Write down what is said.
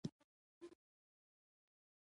د دغې کوڅې درواغجن اټک نومېده.